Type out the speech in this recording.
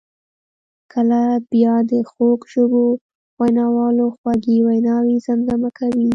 کله بیا د خوږ ژبو ویناوالو خوږې ویناوي زمزمه کوي.